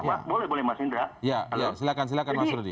ya silahkan mas rudy